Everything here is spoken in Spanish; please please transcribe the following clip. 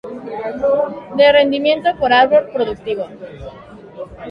De rendimiento por árbol productivo.